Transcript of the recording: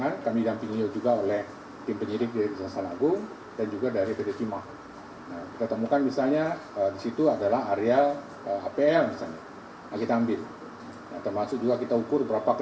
tetapi nanti dalam surat dakwaan pasti akan disampaikan